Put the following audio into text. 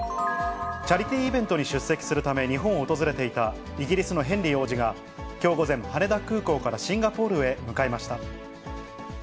チャリティーイベントに出席するため、日本を訪れていたイギリスのヘンリー王子が、きょう午前、羽田空港からシンガポールへ向かいました。